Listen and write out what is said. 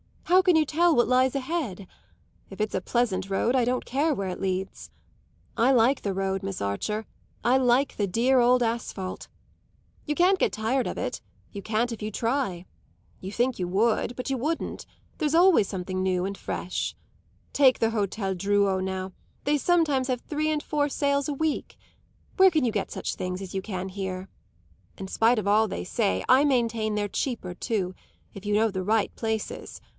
How can you tell what lies ahead? If it's a pleasant road I don't care where it leads. I like the road, Miss Archer; I like the dear old asphalte. You can't get tired of it you can't if you try. You think you would, but you wouldn't; there's always something new and fresh. Take the Hôtel Drouot, now; they sometimes have three and four sales a week. Where can you get such things as you can here? In spite of all they say I maintain they're cheaper too, if you know the right places.